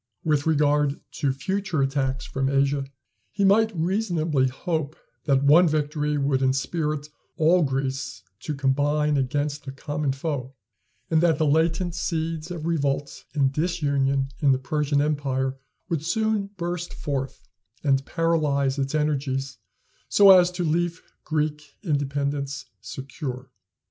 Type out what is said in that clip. With regard to future attacks from Asia, he might reasonably hope that one victory would inspirit all Greece to combine against the common foe; and that the latent seeds of revolt and disunion in the Persian empire would soon burst forth and paralyze its energies, so as to leave Greek independence secure.